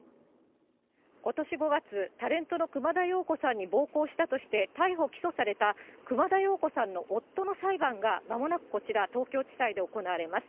ことし５月、タレントの熊田曜子さんに暴行したとして、逮捕・起訴された熊田曜子さんの夫の裁判が、まもなくこちら、東京地裁で行われます。